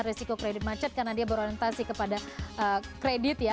risiko kredit macet karena dia berorientasi kepada kredit ya